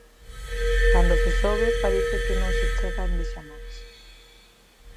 Cando se sobe parece que non se chega endexamais